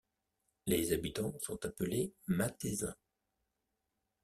Les habitants sont appelés Matheysins.